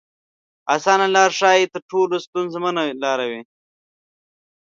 اسانه لار ښايي تر ټولو ستونزمنه لار وي.